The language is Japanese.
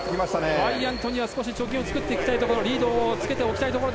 ワイヤントには貯金を作っておきたいところリードを作っておきたいところ。